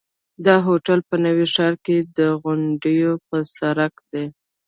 دا هوټل په نوي ښار کې د غونډیو پر سر دی.